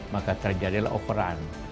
maka terjadilah overrun